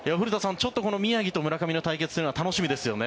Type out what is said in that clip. ちょっとこの宮城と村上の対決は楽しみですよね。